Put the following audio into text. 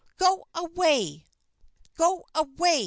"Go away! Go away!"